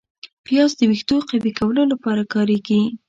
پیاز د ویښتو قوي کولو لپاره کارېږي